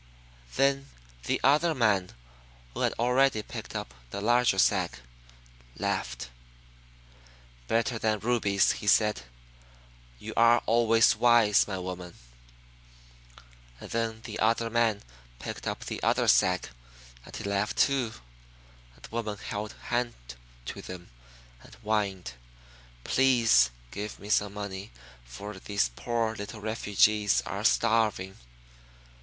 "Then the other man who had already picked up the larger sack, laughed. 'Better than rubies,' he said. 'You are always wise, my woman!'" "And then the other man picked up the other sack and he laughed too, and the woman held hand to them and whined, 'Please give me some money for these poor little refugees are starving!'